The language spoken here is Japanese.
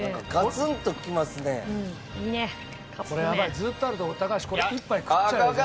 ずっとあると高橋これ１杯食っちゃうよ。